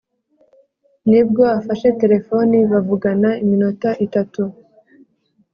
ni bwo afashe telefoni bavugana iminota itatu :